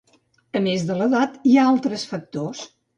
A més de l'edat, hi ha altres factors.